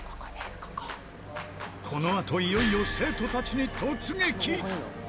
このあといよいよ生徒たちに突撃！